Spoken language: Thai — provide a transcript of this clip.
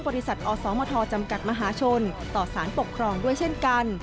บริษัทอสมทจำกัดมหาชนต่อสารปกครองด้วยเช่นกัน